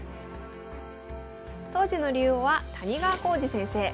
当時の竜王は谷川浩司先生。